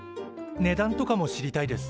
値段とかも知りたいです。